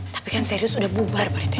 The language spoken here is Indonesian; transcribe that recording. tapi kan serius udah bubar pak rt